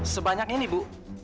sebanyak ini bu